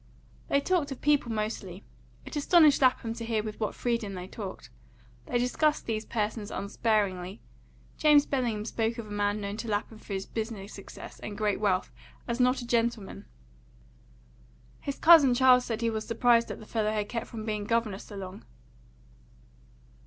They talked of people mostly; it astonished Lapham to hear with what freedom they talked. They discussed these persons unsparingly; James Bellingham spoke of a man known to Lapham for his business success and great wealth as not a gentleman; his cousin Charles said he was surprised that the fellow had kept from being governor so long.